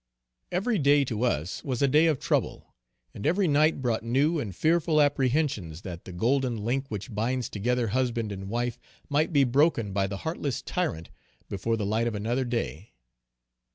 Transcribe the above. Every day to us was a day of trouble, and every night brought new and fearful apprehensions that the golden link which binds together husband and wife might be broken by the heartless tyrant before the light of another day.